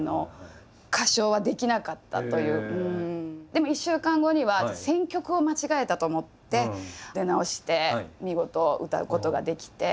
でも１週間後には選曲を間違えたと思って出直して見事歌うことができて。